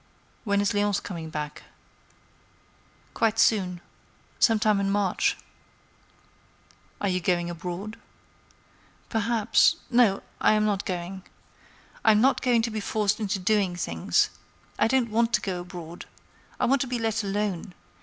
"When is Léonce coming back?" "Quite soon. Some time in March." "And you are going abroad?" "Perhaps—no, I am not going. I'm not going to be forced into doing things. I don't want to go abroad. I want to be let alone.